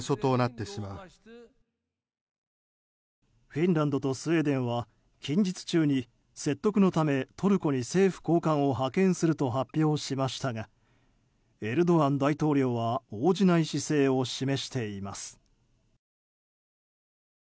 フィンランドとスウェーデンは近日中に説得のためトルコに政府高官を派遣すると発表しましたがエルドアン大統領は応じない姿勢を示しています。